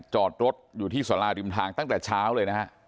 จอดรถอยู่ที่สาราริมทางตั้งแต่เช้าเลยนะฮะ